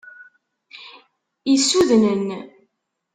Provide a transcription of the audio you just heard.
Issudnen!